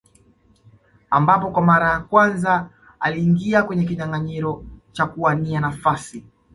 Ambapo kwa mara ya kwanza aliingia kwenye kinyanganyiro cha kuwania nafasi